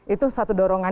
itu satu dorongan